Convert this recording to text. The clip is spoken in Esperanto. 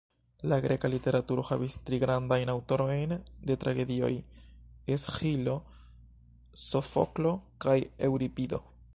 La greka literaturo havis tri grandajn aŭtorojn de tragedioj: Esĥilo, Sofoklo kaj Eŭripido.